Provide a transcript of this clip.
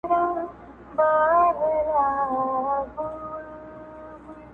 نن مي په دېوان کي د جانان حماسه ولیکه!